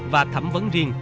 và thẩm vấn riêng